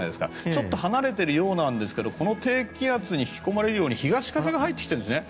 ちょっと離れているようですがこの低気圧に引き込まれるように東風が入ってきているんですね。